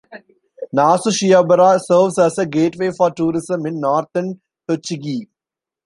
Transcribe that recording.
Nasushiobara serves as a gateway for tourism in northern Tochigi.